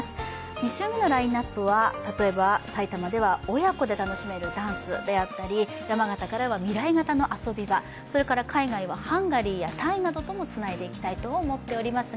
２週目のラインナップは埼玉では親子で楽しめるダンスであったり、山形からは未来型の遊び場、それから海外ではハンガリーやタイなどともつないでいきたいと思っています。